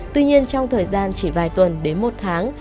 tuy nhiên trong thời gian chỉ vài tuần đến một tháng